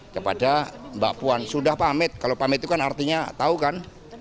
kepada mbak puan sudah pamit kalau pamit itu kan artinya tahu kan